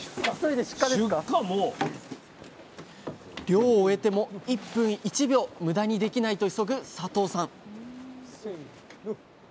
漁を終えても１分１秒ムダにできないと急ぐ佐藤さん